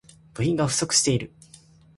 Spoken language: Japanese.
部品が不足している